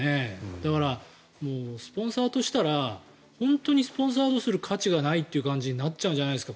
だからスポンサーとしたら本当にスポンサードする価値がないとなっちゃうんじゃないですか。